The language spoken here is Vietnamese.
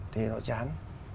thì nó chán